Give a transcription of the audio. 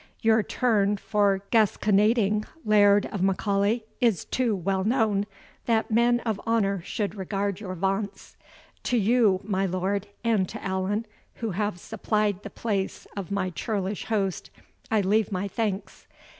Your turn for gasconading, Laird of M'Aulay, is too well known, that men of honour should regard your vaunts. To you, my lord, and to Allan, who have supplied the place of my churlish host, I leave my thanks.